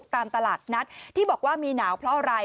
ตามตลาดนัดที่บอกว่ามีหนาวเพราะอะไร